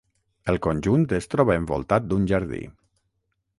El conjunt es troba envoltat d'un jardí.